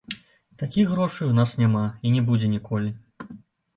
Такіх грошай у нас няма, і не будзе ніколі.